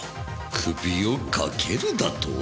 首をかけるだと！？